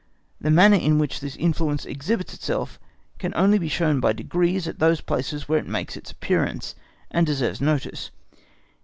—The manner in which this influence exhibits itself, can only be shown by degrees at those places where it makes its appearance, and deserves notice.